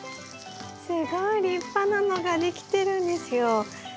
すごい立派なのができてるんですよ。